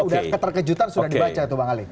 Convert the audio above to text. udah keterkejutan sudah dibaca tuh bang ali